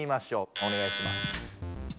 おねがいします。